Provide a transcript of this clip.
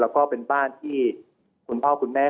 แล้วก็เป็นบ้านที่คุณพ่อคุณแม่